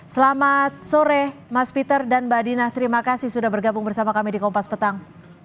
selamat sore mas peter dan mbak dina terima kasih sudah bergabung bersama kami di kompas petang